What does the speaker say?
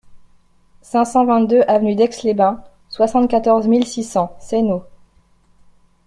cinq cent vingt-deux avenue d'Aix les Bains, soixante-quatorze mille six cents Seynod